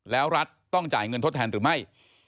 แล้วรัฐต้องจ่ายเงินทดแทนหรือไม่